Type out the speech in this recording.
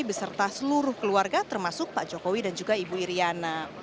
beserta seluruh keluarga termasuk pak jokowi dan juga ibu iryana